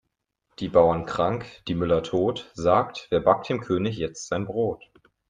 Die Bauern krank, die Müller tot, sagt wer backt dem König jetzt sein Brot?